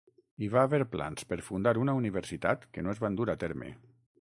Hi va haver plans per fundar una universitat que no es van dur a terme.